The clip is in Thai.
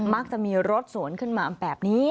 มักจะมีรถสวนขึ้นมาแบบนี้